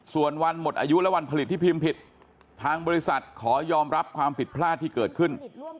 ส่วนวันหมดอายุและวันผลิตที่พิมพ์ผิดทางบริษัทขอยอมรับความผิดพลาดที่เกิดขึ้น